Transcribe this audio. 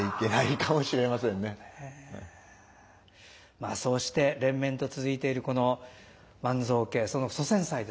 まあそうして連綿と続いているこの万蔵家その祖先祭ですね今回の。